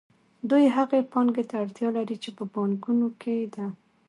دوی هغې پانګې ته اړتیا لري چې په بانکونو کې ده